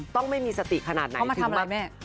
ต้องไม่มีสติขนาดไหนถึงมาเขามาทำอะไรแม่